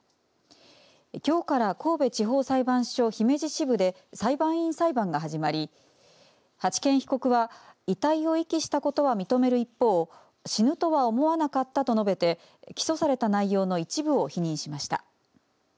きょうから神戸地方裁判所姫路支部で裁判員裁判が始まり八軒被告は遺体を遺棄したことは認める一方死ぬとは思わなかったと述べて起訴された内容の一部を否認しました。